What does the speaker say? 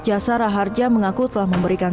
jasara harja mengaku telah memberikan